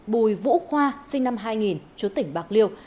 bùi vũ khoa sinh năm hai nghìn chú tỉnh bạc liêu